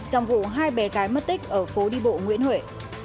hai bé gái mất tích ở phố đi bộ nguyễn huệ